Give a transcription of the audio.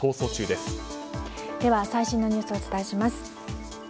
では、最新のニュースをお伝えします。